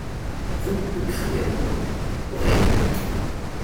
Route de Crabeyron, Aureilhan